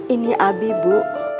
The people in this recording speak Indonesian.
ini abi ibu